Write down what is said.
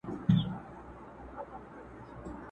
مندوشاه چي هم هوښیار هم پهلوان وو!.